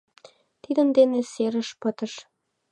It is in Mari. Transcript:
Тидын дене серыш пытыш.